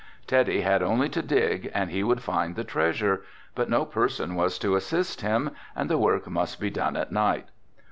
Teddy had only to dig and he would find the treasure, but no person was to assist him and the work must be done at night.